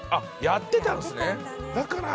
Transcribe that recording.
やってたんすね。